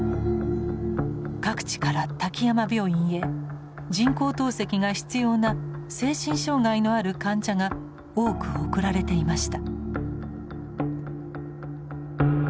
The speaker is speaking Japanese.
各地から滝山病院へ人工透析が必要な精神障害のある患者が多く送られていました。